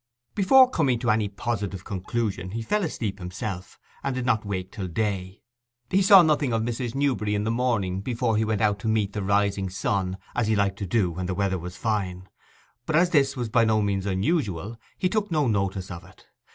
Before coming to any positive conclusion he fell asleep himself, and did not awake till day. He saw nothing of Mrs. Newberry in the morning, before he went out to meet the rising sun, as he liked to do when the weather was fine; but as this was by no means unusual, he took no notice of it.